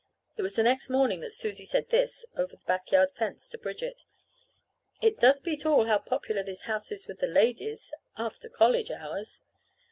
It was the next morning that Susie said this over the back yard fence to Bridget: "It does beat all how popular this house is with the ladies after college hours!"